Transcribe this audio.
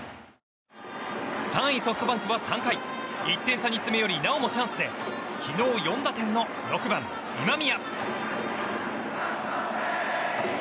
３位、ソフトバンクは３回１点差に詰め寄りなおもチャンスで昨日４打点の６番、今宮。